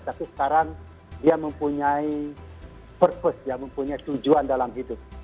tapi sekarang dia mempunyai tujuan dalam hidup